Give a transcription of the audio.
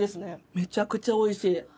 めちゃくちゃおいしい。